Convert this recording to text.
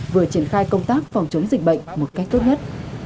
vừa triển khai công tác phòng chống dịch bệnh một cách tốt nhất